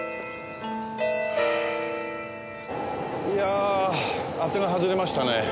いやあ当てが外れましたね。